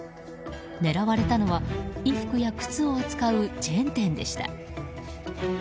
狙われたのは衣服や靴を扱うチェーン店でした。